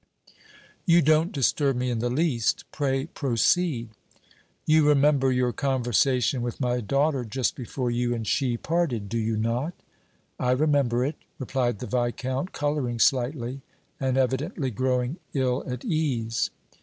"You don't disturb me in the least. Pray proceed." "You remember your conversation with my daughter just before you and she parted, do you not?" "I remember it," replied the Viscount, coloring slightly and evidently growing ill at ease.